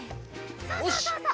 そうそうそうそう